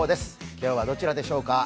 今日はどちらでしょうか。